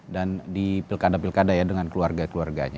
dan di pilkada pilkada ya dengan keluarga keluarganya